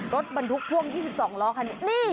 รถบรรทุกพ่วง๒๒ล้อคันนี้